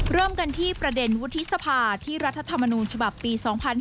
เริ่มกันที่ประเด็นวุฒิสภาที่รัฐธรรมนูญฉบับปี๒๕๕๙